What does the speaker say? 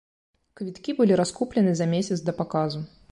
Квіткі былі раскуплены за месяц да паказу.